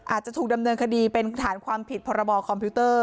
อาจจะถูกดำเนินคดีเป็นฐานความผิดพรบคอมพิวเตอร์